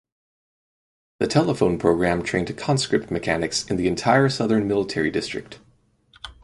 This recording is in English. The Telephone Program trained conscript mechanics in the entire Southern Military District.